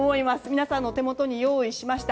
皆さんのお手元に用意しました。